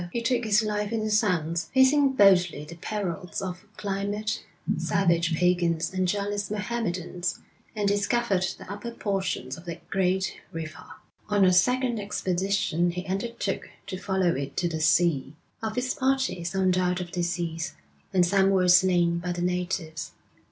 He took his life in his hands, facing boldly the perils of climate, savage pagans, and jealous Mohammedans, and discovered the upper portions of that great river. On a second expedition he undertook to follow it to the sea. Of his party some died of disease, and some were slain by the natives.